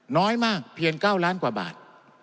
น้อยมากเพียง๙ล้านกว่าบาท